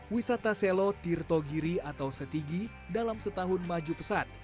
wisata selo tirto giri atau setigi dalam setahun maju pesat